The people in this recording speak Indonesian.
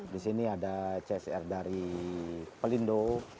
di sini ada csr dari pelindo